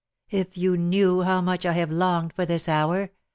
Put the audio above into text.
" If you knew how I have longed for this hour.